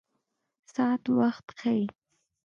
ساعت وخت ښيي